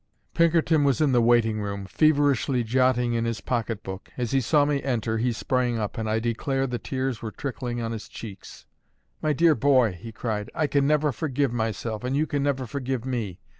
Pinkerton was in the waiting room, feverishly jotting in his pocket book. As he saw me enter, he sprang up, and I declare the tears were trickling on his cheeks. "My dear boy," he cried, "I can never forgive myself, and you can never forgive me.